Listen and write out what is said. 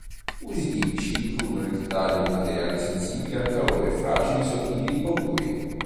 Usi tipici includono il taglio di materiali sensibili al calore, fragili, sottili o duri.